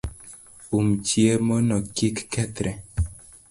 Um chiemo no kik kethre